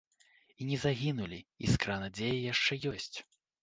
І не загінулі, іскра надзеі яшчэ ёсць.